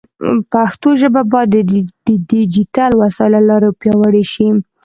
پښتو ژبه باید د ډیجیټل وسایلو له لارې پیاوړې شي.